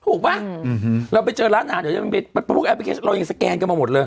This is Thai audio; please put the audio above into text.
ถูกป่ะเราไปเจอร้านอาหารเดี๋ยวพวกแอปพลิเคชเรายังสแกนกันมาหมดเลย